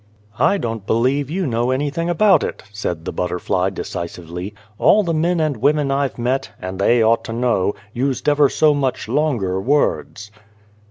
" I don't believe you know anything about it," said the butterfly, decisively. "All the men and women I've met and they ought to know used ever so much longer words."